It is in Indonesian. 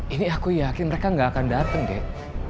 ini aku yakin mereka gak akan dateng gek